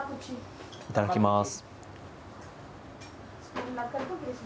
いただきます。